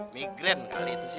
migren kali itu sih